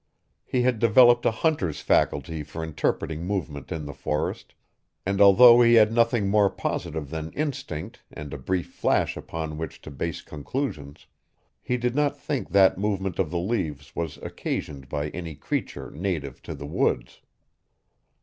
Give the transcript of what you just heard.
He had developed a hunter's faculty for interpreting movement in the forest, and although he had nothing more positive than instinct and a brief flash upon which to base conclusions, he did not think that movement of the leaves was occasioned by any creature native to the woods.